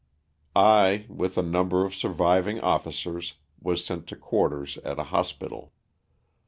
I, with a number of surviving officers, was sent to quarters at a hospital.